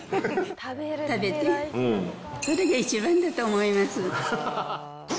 食べて、それが一番だと思います。